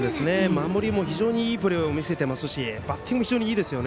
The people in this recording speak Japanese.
守りも非常にいいプレーを見せていますしバッティングも非常にいいです。